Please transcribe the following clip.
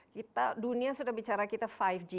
kita dunia sudah bicara kita lima g